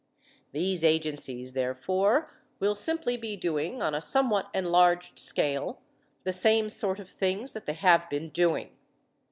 These agencies, therefore, will simply be doing on a somewhat enlarged scale the same sort of things that they have been doing.